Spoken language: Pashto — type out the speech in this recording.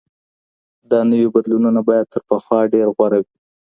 دا نوي بدلونونه بايد تر پخوا ډېر غوره وي.